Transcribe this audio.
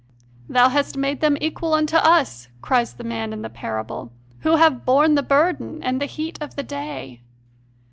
"Thou hast made them equal unto us," cries the man in the parable, "who have borne the burden and heat of the day!"